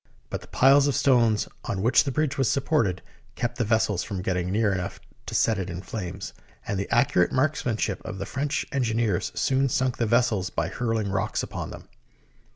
But the piles of stone on which the bridge was supported kept the vessels from getting near enough to set it in flames, and the accurate marksmanship of the French engi neers soon sunk the vessels by hurling rocks upon them.